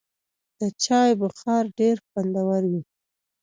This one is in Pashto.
د چای بخار ډېر خوندور و.